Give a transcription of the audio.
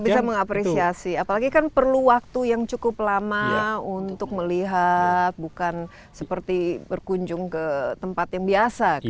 kita bisa mengapresiasi apalagi kan perlu waktu yang cukup lama untuk melihat bukan seperti berkunjung ke tempat yang biasa